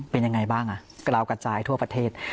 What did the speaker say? เป็นยังไงบ้างกระลาวกระจายทั่วประเทศ